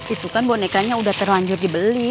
itu kan bonekanya udah terlanjur dibeli